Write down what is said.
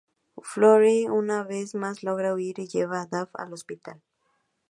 Foley una vez más logra huir y lleva a Dave al hospital.